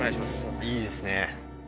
いいですね。